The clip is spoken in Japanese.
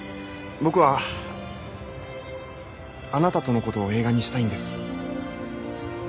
僕はあなたとのことを映画にしたいんです。